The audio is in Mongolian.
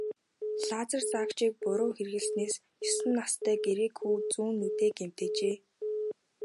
Лазер заагчийг буруу хэрэглэснээс есөн настай грек хүү зүүн нүдээ гэмтээжээ.